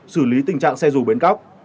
xử lý tình trạng xe dù biến cóc